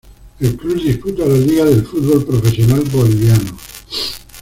El club disputa la Liga del Fútbol Profesional Boliviano.